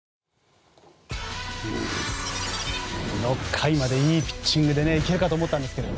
６回までいいピッチングで行けるかと思ったんですが。